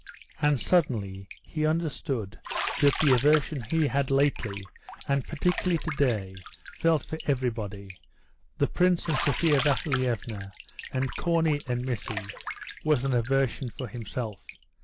And, suddenly, he understood that the aversion he had lately, and particularly to day, felt for everybody the Prince and Sophia Vasilievna and Corney and Missy was an aversion for himself.